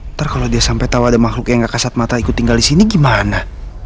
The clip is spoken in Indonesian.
ntar kalo dia sampe tau ada makhluk yang gak kasat mata ikut tinggal disini gimana